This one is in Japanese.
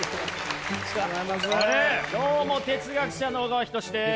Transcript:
どうも哲学者の小川仁志です。